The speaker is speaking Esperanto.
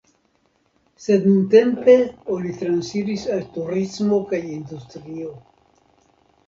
Sed nuntempe oni transiris al turismo kaj industrio.